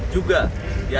juga diharapkan dapat tercipta